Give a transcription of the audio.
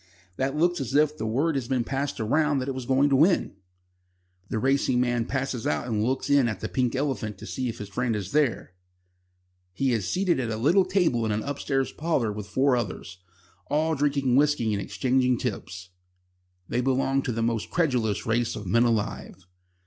That looks as if word had been passed round that it was going to win." The racing man passes out and looks in at the "Pink Elephant" to see if his friend is there. He is seated at a little table in an upstairs parlour with four others, all drinking whisky and exchanging tips. They belong to the most credulous race of men alive.